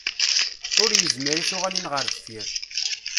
Ur yezmir i tuɣalin ɣer deffir.